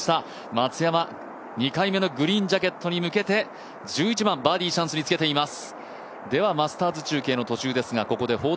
松山、２回目のグリーンジャケットに向けて１１番、バーディーチャンスにつけています。